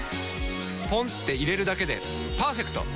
ポンって入れるだけでパーフェクト！